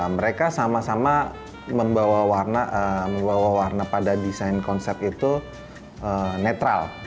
mereka sama sama membawa warna pada desain konsep itu netral